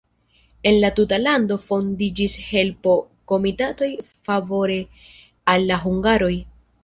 En la tuta lando fondiĝis helpo-komitatoj favore al la hungaroj.